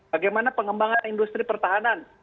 bagaimana pengembangan industri pertahanan